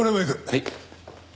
はい。